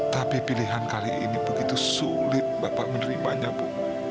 tapi pilihan kali ini begitu sulit bapak menerimanya bu